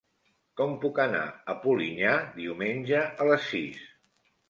Com puc anar a Polinyà diumenge a les sis?